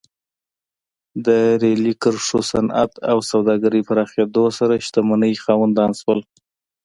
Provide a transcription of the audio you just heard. د ریلي کرښو، صنعت او سوداګرۍ پراخېدو سره شتمنۍ خاوندان شول.